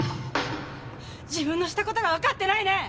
自分のしたことが分かってないね！